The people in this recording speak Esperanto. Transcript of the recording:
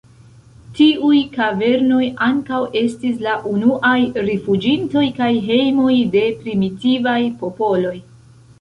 Tiuj kavernoj ankaŭ estis la unuaj rifuĝintoj kaj hejmoj de primitivaj popoloj.